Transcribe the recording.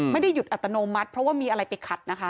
ไม่ได้หยุดอัตโนมัติเพราะว่ามีอะไรไปขัดนะคะ